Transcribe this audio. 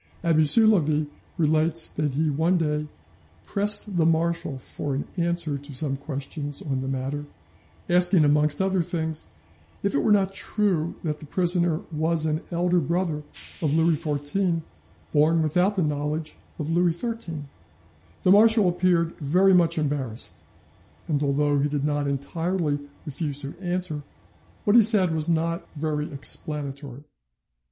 Abbe Soulavie relates that he one day "pressed the marshal for an answer to some questions on the matter, asking, amongst other things, if it were not true that the prisoner was an elder brother of Louis XIV born without the knowledge of Louis XIII. The marshal appeared very much embarrassed, and although he did not entirely refuse to answer, what he said was not very explanatory.